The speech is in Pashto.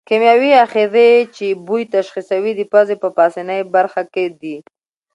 کیمیاوي آخذې چې بوی تشخیصوي د پزې په پاسنۍ برخه کې دي.